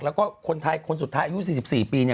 เพราะว่าคนไทยคนสุดท้ายอายุ๔๔ปี